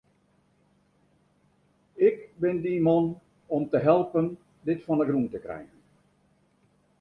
Ik bin dyn man om te helpen dit fan 'e grûn te krijen.